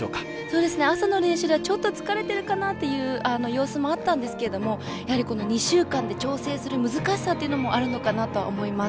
朝の練習ではちょっと疲れているかなという様子もあったんですけどやはりこの２週間で調整する難しさというのもあるのかなと思います。